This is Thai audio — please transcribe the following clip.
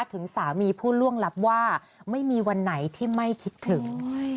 ถึงสามีผู้ล่วงลับว่าไม่มีวันไหนที่ไม่คิดถึง